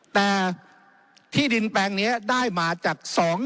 แต่ที่ดินแปลงนี้ได้มาจาก๒๐